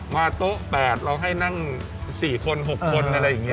โต๊ะ๘เราให้นั่ง๔คน๖คนอะไรอย่างนี้